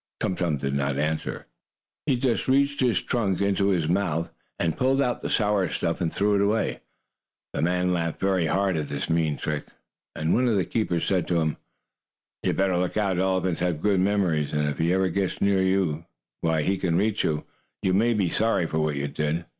Tum Tum did not answer. He just reached his trunk in his mouth, and pulled out the sour stuff, and threw it away. The man laughed very hard at his mean trick, and one of the keepers said to him: "You had better look out. Elephants have good memories, and if ever you get near Tum Tum, where he can reach you, you may be sorry for what you did."